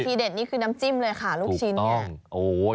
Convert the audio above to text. เด็ดนี่คือน้ำจิ้มเลยค่ะลูกชิ้นเนี่ย